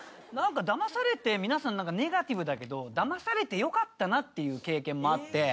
だまされて皆さんネガティブだけどだまされてよかったなっていう経験もあって。